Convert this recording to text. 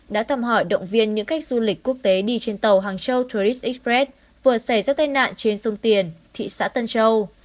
đã thăm hỏi động viên những khách du lịch quốc tế đi trên tàu hàng châu tour express vừa xảy ra tai nạn trên sông tiền thị xã tân châu